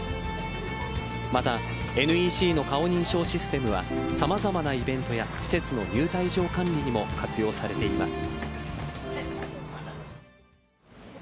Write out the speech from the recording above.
また、ＮＥＣの顔認証システムは様々なイベントや施設の入退場管理にも活用されています。